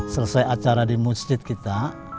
selesai acara di masjid kita